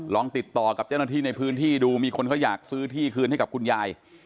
ลองติดต่อกับเจ้าหน้าที่ในพื้นที่ดูมีคนเขาอยากซื้อที่คืนให้กับคุณยาย